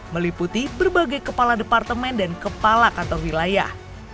meliputi berbagai kepala departemen dan kepala kantor wilayah